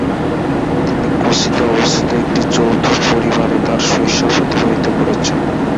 তিনি কোচিতে অবস্থিত একটি যৌথ পরিবারে তাঁর শৈশব অতিবাহিত করেছেন।